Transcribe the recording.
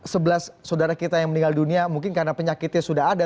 sebelas saudara kita yang meninggal dunia mungkin karena penyakitnya sudah ada